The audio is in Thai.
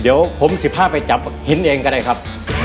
เดี๋ยวผม๑๕ไปจับหินเองก็ได้ครับ